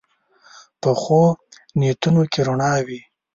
پخو نیتونو کې رڼا وي